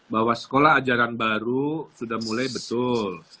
bahwa sekolah ajaran baru sudah mulai betul